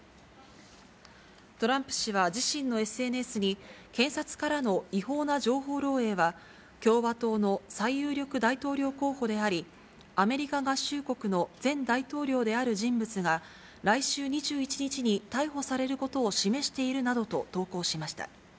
トランプ氏は自身のＳＮＳに、検察からの違法な情報漏えいは、共和党の最有力大統領候補であり、アメリカ合衆国の前大統領である人物が、来週２１日に逮捕されることを示しているなどと投稿しました。